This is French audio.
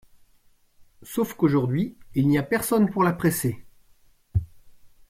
Sauf qu’aujourd'hui, il n'y a personne pour la presser.